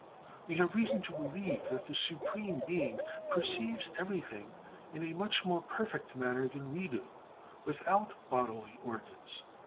We have reason to believe that the Supreme Being perceives everything in a much more perfect manner than we do, without bodily organs.